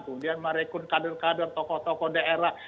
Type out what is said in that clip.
kemudian merekun kader kader tokoh tokoh daerah